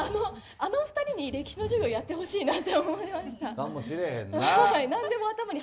あの２人に歴史の授業やってほしいなと思いました。